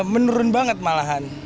menurun banget malahan